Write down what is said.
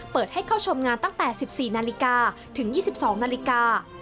เปิดให้เข้าชมงานตั้งแต่๑๔นาฬิกาถึง๒๒นาฬิกา